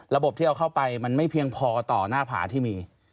ระบบที่เอาเข้าไปมันไม่เพียงพอต่อหน้าผาที่มี